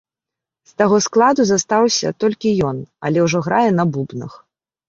З таго складу застаўся толькі ён, але ўжо грае на бубнах.